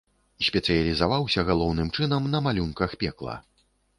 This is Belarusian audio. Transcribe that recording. Спецыялізаваўся, галоўным чынам, на малюнках пекла.